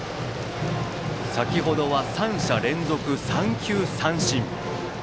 先程は３者連続三球三振。